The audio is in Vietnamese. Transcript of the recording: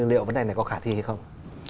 liệu vấn đề này có khả thi hay không